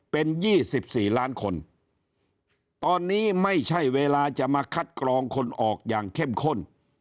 เป็น๒๔ล้านคนตอนนี้ไม่ใช่เวลาจะมาคัดกรองคนออกอย่างเข้มข้น